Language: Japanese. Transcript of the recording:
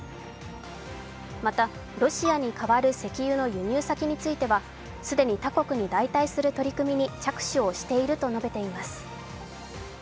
また、ロシアに代わる石油の輸入先については既に他国に代替する取り組みに着手をすると述べています。